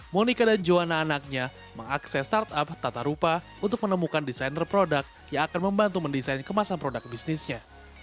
monika dan joan anaknya mengakses startup tata rupa untuk menemukan desainer produk yang akan membantu mendesain kemasan produk bisnisnya